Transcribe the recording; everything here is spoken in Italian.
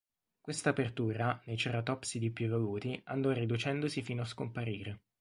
Questa apertura, nei ceratopsidi più evoluti, andò riducendosi fino a scomparire.